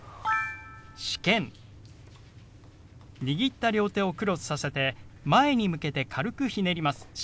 握った両手をクロスさせて前に向けて軽くひねります。